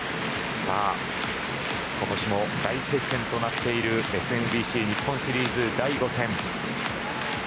今年も大接戦となっているＳＭＢＣ日本シリーズ第５戦。